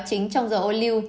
chính trong dầu ô lưu